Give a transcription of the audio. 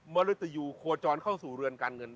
มลัตติยูคอจอนเข้าสู่เรือนการเงิน